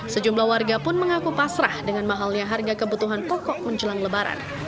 sejumlah warga pun mengaku pasrah dengan mahalnya harga kebutuhan pokok menjelang lebaran